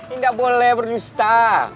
ini gak boleh berdusta